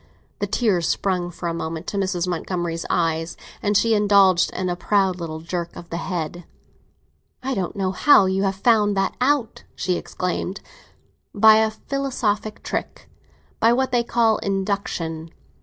The tears sprang for a moment to Mrs. Montgomery's eyes, and she indulged in a proud little jerk of the head. "I don't know how you have found that out!" she exclaimed. "By a philosophic trick—by what they call induction.